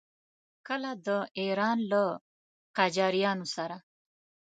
کله د ایران له قاجاریانو سره.